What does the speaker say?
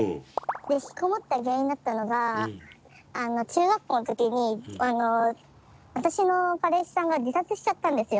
でひきこもった原因になったのが中学校の時に私の彼氏さんが自殺しちゃったんですよ。